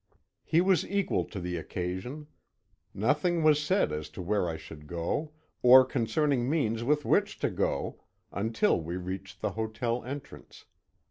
He was equal to the occasion. Nothing was said as to where I should go, or concerning means with which to go, until we reached the hotel entrance.